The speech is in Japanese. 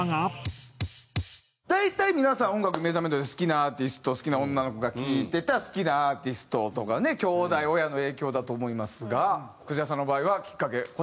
大体皆さん音楽に目覚める時は好きなアーティスト好きな女の子が聴いてた好きなアーティストとかねきょうだい親の影響だと思いますがくじらさんの場合はきっかけこちら。